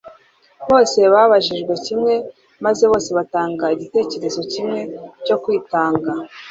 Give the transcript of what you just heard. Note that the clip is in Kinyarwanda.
bose babajijwe kimwe, maze bose batanga icyitegererezo kimwe cyo kwitanga.